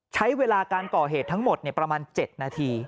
ใช้เวลาการก่อเหตุทั้งหมดประมาณ๗นาที